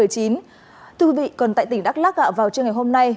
thưa quý vị còn tại tỉnh đắk lắc vào trưa ngày hôm nay